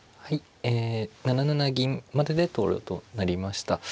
ええ７七銀までで投了となりました。